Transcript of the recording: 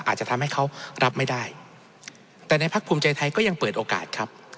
อาจจะทำให้เขารับไม่ได้แต่ในพักภูมิใจไทยก็ยังเปิดโอกาสครับ